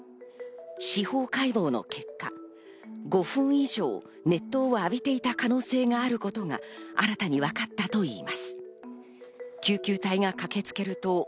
司法解剖の結果、５分以上、熱湯を浴びていた可能性があることが新たに分かったといいます。